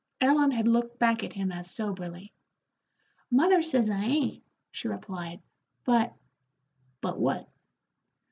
Ellen had looked back at him as soberly. "Mother says I 'ain't," she replied, "but " "But what?"